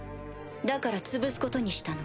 だから潰すことにしたの。